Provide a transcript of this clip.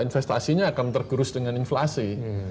investasinya akan tergerus dengan inflasi